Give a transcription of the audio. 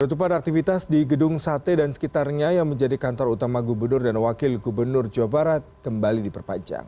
penutupan aktivitas di gedung sate dan sekitarnya yang menjadi kantor utama gubernur dan wakil gubernur jawa barat kembali diperpanjang